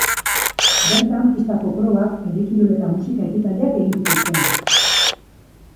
Bertan pistako probak, herri kirol eta musika ekitaldiak egin zituzten.